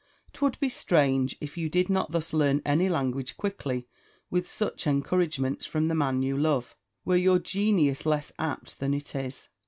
'Twould be strange, if you did not thus learn any language quickly, with such encouragements, from the man you love, were your genius less apt than it is.